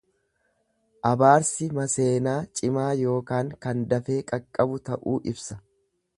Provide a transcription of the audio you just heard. Abaarsi maseenaa cimaa yookaan kan dafee qaqqabu ta'uu ibsa.